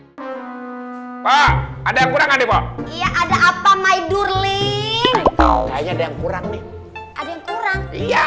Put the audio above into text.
hai hai hai apa ada yang kurang ada apa apa my durling kurang kurang